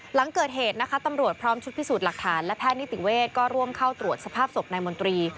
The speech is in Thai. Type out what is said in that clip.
หลังเกิดเหตุนะคะตำรวจพร้อมชุดพิสูจน์หลักฐานและแพทย์นิติเวศก็ร่วมเข้าตรวจสภาพศพนายมนตรี